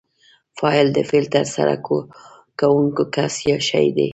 فاعل د فعل ترسره کوونکی کس یا شی دئ.